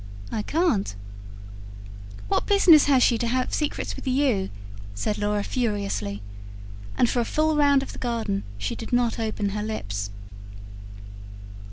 I can't. "What business has she to have secrets with you?" said Laura furiously. And for a full round of the garden she did not open her lips.